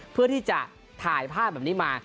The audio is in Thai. เพื่อที่จะถ่ายภาพแบบนี้มา